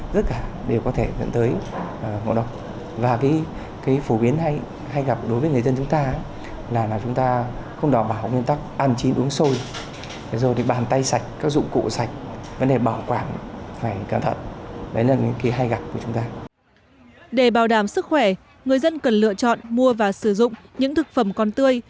để bảo đảm sức khỏe người dân cần lựa chọn mua và sử dụng những thực phẩm còn tươi